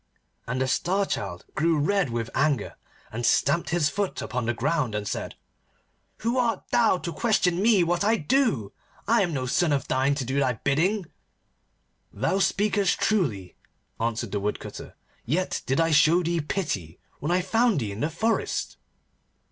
And the Star Child grew red with anger, and stamped his foot upon the ground, and said, 'Who art thou to question me what I do? I am no son of thine to do thy bidding.' 'Thou speakest truly,' answered the Woodcutter, 'yet did I show thee pity when I found thee in the forest.